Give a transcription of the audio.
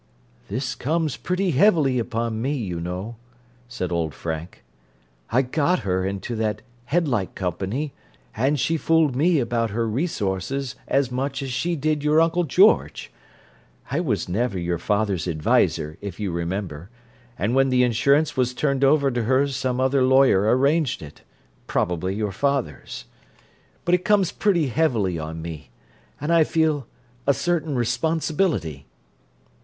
"This comes pretty heavily upon me, you know," said old Frank. "I got her into that headlight company, and she fooled me about her resources as much as she did your Uncle George. I was never your father's adviser, if you remember, and when the insurance was turned over to her some other lawyer arranged it—probably your father's. But it comes pretty heavily on me, and I feel a certain responsibility."